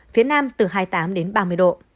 phía nam từ hai mươi tám ba mươi độ